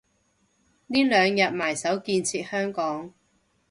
呢兩日埋首建設香港